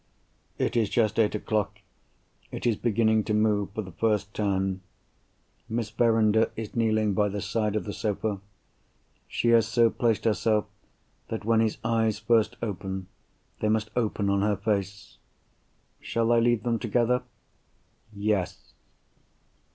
It is just eight o'clock. He is beginning to move for the first time. Miss Verinder is kneeling by the side of the sofa. She has so placed herself that when his eyes first open, they must open on her face. Shall I leave them together? Yes!